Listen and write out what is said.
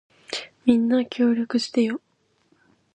みんな、協力してよ。